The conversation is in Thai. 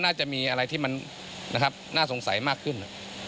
น่าจะมีอะไรที่มันน่าสงสัยมากขึ้น